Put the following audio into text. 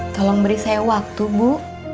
tolong beri saya waktu bu